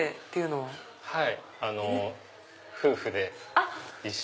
はい。